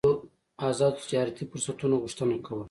ازادو تجارتي فرصتونو غوښتنه کوله.